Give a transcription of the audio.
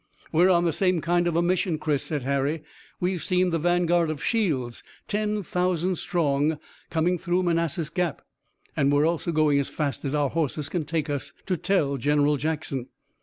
"We're on the same kind of a mission, Chris," said Harry. "We've seen the vanguard of Shields, ten thousand strong coming through Manassas Gap, and we also are going as fast as our horses can take us to tell General Jackson."